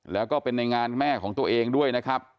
แล้วก็เป็นในงานแม่ของตัวเองด้วยนะครับ